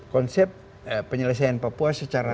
konsep penyelesaian papua secara